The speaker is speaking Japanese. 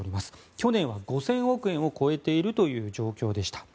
去年は５０００億円を超えているという状況でした。